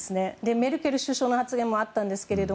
メルケル首相の発言もあったんですけど